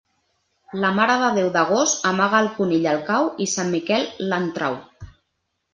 La Mare de Déu d'agost amaga el conill al cau i Sant Miquel l'en trau.